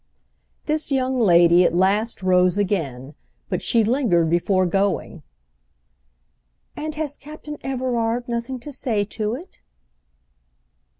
This young lady at last rose again, but she lingered before going. "And has Captain Everard nothing to say to it?"